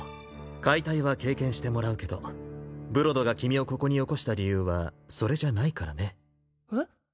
解体は経験してもらうけどブロドが君をここによこした理由はそれじゃないからねえっ？